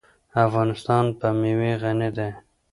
افغانستان په مېوې غني دی.